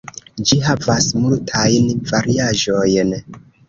Ĝi havas multajn variaĵojn.